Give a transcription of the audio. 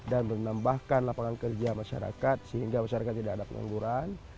dan menambahkan lapangan kerja masyarakat sehingga masyarakat tidak ada pengangguran